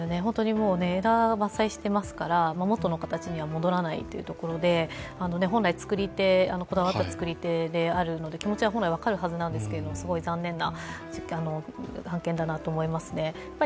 枝を伐採していますから、元の形には戻らないということで本来こだわった作り手であるので気持ちは分かるはずなんですけどすごい残念な件だなと思います。